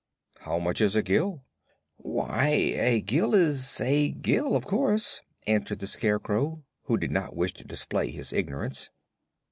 "How much is a gill?" "Why a gill is a gill, of course," answered the Scarecrow, who did not wish to display his ignorance.